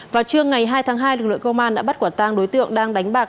vào trưa ngày hai tháng hai lực lượng công an đã bắt quả tang đối tượng đang đánh bạc